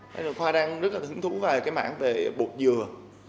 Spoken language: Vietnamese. thế rồi khoa đang rất là hứng thú về cái mảng về bột dừa